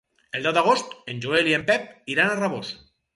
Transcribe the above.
El deu d'agost en Joel i en Pep iran a Rabós.